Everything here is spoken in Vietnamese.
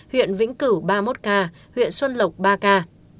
huyện vĩnh cửu ba mươi một ca huyện xuân lộc ba ca